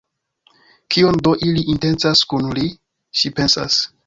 Kion do ili intencas kun li?, ŝi pensas.